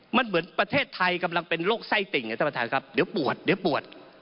มันเหมือนประเทศไทยกำลังเป็นโรคไส้ติ่งเดี๋ยวปวดเดี๋ยวปวด